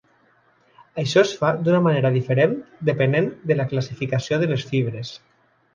Això es fa d'una manera diferent depenent de la classificació de les fibres.